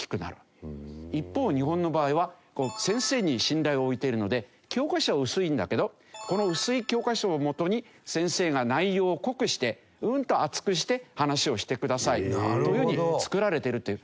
一方日本の場合は先生に信頼を置いているので教科書は薄いんだけどこの薄い教科書をもとに先生が内容を濃くしてうんと厚くして話をしてくださいというふうに作られてるという。